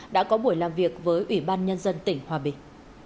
đã có buổi làm việc với ủy ban nhân dân tỉnh hòa bình